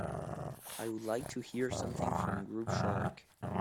I would like to hear something from Groove Shark